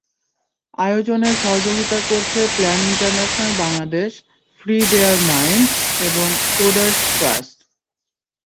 আয়োজনে সহযোগিতা করছে plan international Bangladesh, free their minds এবং কোডারসস্ট্রাস্ট।